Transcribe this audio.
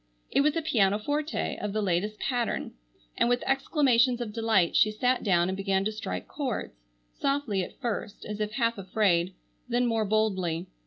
It was a pianoforte of the latest pattern, and with exclamations of delight she sat down and began to strike chords, softly at first, as if half afraid, then more boldly.